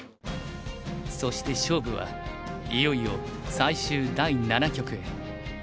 そして勝負はいよいよ最終第七局へ。